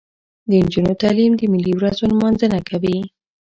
د نجونو تعلیم د ملي ورځو نمانځنه کوي.